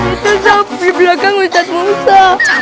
itu sob di belakang ujad musa